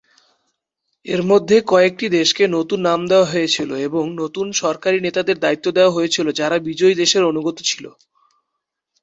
এর মধ্যে কয়েকটি দেশকে নতুন নাম দেওয়া হয়েছিল এবং নতুন সরকারী নেতাদের দায়িত্ব দেওয়া হয়েছিল যারা বিজয়ী দেশের অনুগত ছিল।